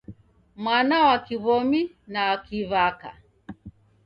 Mwana wa Kiw'omi na kiw'aka